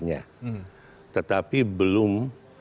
nya tetapi belum